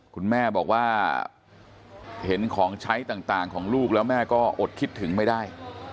คุณแม่บอกว่าเห็นของใช้ต่างของลูกแล้วแม่ก็อดคิดถึงไม่ได้